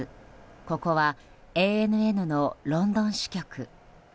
ここは、ＡＮＮのロンドン支局。